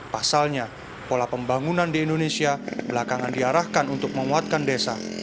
pasalnya pola pembangunan di indonesia belakangan diarahkan untuk memuatkan desa